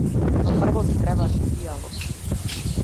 Но прво ти требаше пијалок.